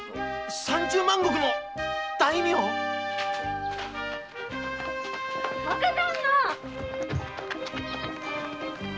三十万石の大名⁉若旦那！